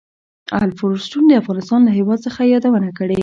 الفونستون د افغانستان له هېواد څخه یادونه کړې.